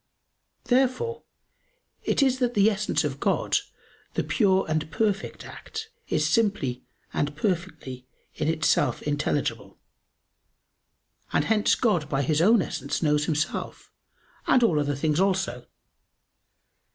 Therefore it is that the Essence of God, the pure and perfect act, is simply and perfectly in itself intelligible; and hence God by His own Essence knows Himself, and all other things also.